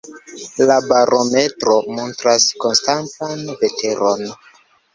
La barometro montras konstantan veteron.